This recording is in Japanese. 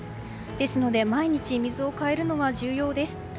ですので毎日水を替えるのは重要です。